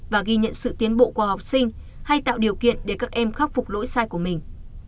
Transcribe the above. và ghi nhận sự tiến bộ của học sinh hay tạo điều kiện để các em khắc phục lỗi sai của mình